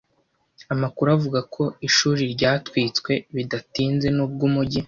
Amakuru avuga ko ishuri ryatwitswe bidatinze nubwo umujyi.